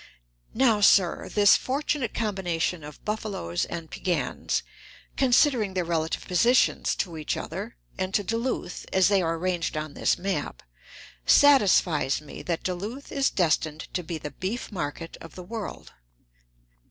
Now, sir, this fortunate combination of buffaloes and Piegans, considering their relative positions to each other and to Duluth, as they are arranged on this map, satisfies me that Duluth is destined to be the beef market of the world.